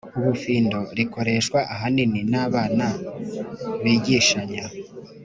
ubufindo, rikoreshwa ahanini n'abana bigishanya